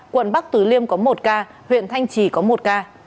quận bắc tứ liêm có một ca huyện thanh trì có một ca